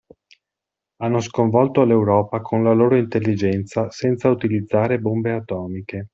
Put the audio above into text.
Hanno sconvolto l'Europa con la loro intelligenza senza utilizzare bombe atomiche.